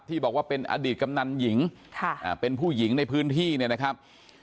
บอกว่าเป็นอดีตกำนันหญิงเป็นผู้หญิงในพื้นที่เนี่ยนะครับ